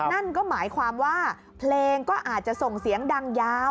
นั่นก็หมายความว่าเพลงก็อาจจะส่งเสียงดังยาว